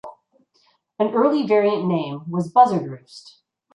An early variant name was "Buzzard Roost".